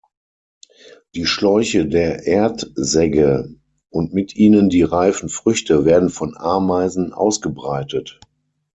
Die Schläuche der Erd-Segge, und mit ihnen die reifen Früchte, werden von Ameisen ausgebreitet.